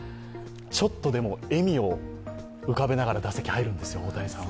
ちょっと笑みを浮かべながら大谷さんは打席に入るんですよ。